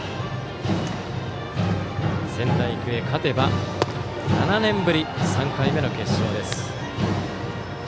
仙台育英、勝てば７年ぶり３回目の決勝です。